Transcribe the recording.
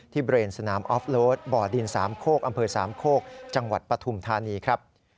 เบรนสนามออฟโลดบ่อดินสามโคกอำเภอสามโคกจังหวัดปฐุมธานีครับ